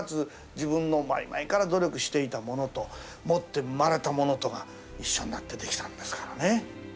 自分の前々から努力していたものと持って生まれたものとが一緒になってできたんですからね。